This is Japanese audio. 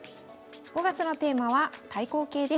５月のテーマは対抗形です。